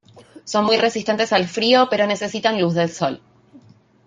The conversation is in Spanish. Son muy resistentes al frío pero necesitan luz del sol.